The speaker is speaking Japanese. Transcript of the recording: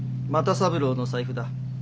又三郎の財布だ。